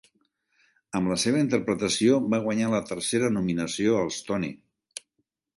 Amb la seva interpretació va guanyar la tercera nominació als Tony.